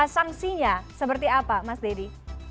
sanksinya seperti apa mas dedy